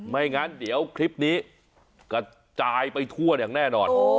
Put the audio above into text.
ไม่งั้นเดี๋ยวคลิปนี้กระจายไปทั่วอย่างแน่นอน